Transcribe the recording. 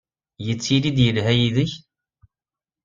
Yettili-d yelha yid-k?